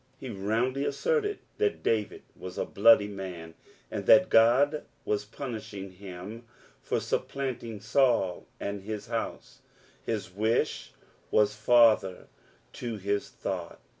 He roundly asserted that David was a bloody man, and tbat God was punishing him for supplanting Saul and his hou9e ; his wish was father to his thought.